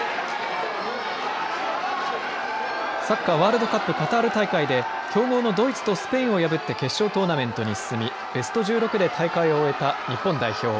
サッカーワールドカップカタール大会で強豪のドイツとスペインを破って決勝トーナメントに進みベスト１６で大会を終えた日本代表。